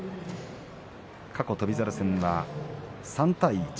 過去、翔猿戦は３対１。